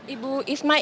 ibu isma ini